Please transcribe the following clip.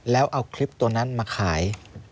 แล้วเอาคลิปตัวนั้นมาขาย